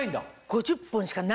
５０本しかない。